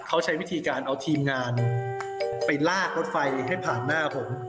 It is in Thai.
เขาใช้วิธีการเอาทีมงานไปลากรถไฟให้ผ่านหน้าผม